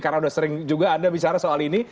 karena sudah sering anda bicara soal ini